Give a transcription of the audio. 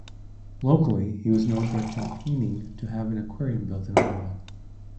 Locally, he was known for campaigning to have an aquarium built in Ottawa.